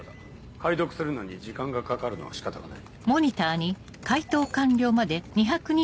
解読するのに時間がかかるのは仕方がない。